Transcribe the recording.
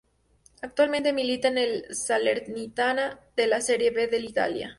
Actualmente milita en el Salernitana de la Serie B de Italia.